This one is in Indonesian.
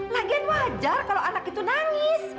lagian wajar kalau anak itu nangis